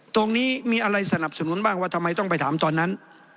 ตรงนี้มีอะไรสนับสนุนบ้างว่าทำไมต้องไปถามตอนนั้น